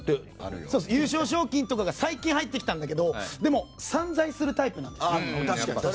優勝賞金とかが最近入ってきたんだけどでも散在するタイプなんですよ。